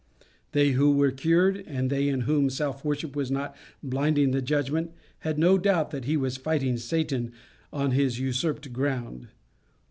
They who were cured, and they in whom self worship was not blinding the judgment, had no doubt that he was fighting Satan on his usurped ground.